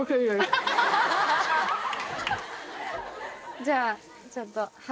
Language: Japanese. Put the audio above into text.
じゃあちょっと。